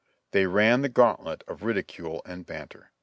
They ran the gauntlet of ridicule and banter.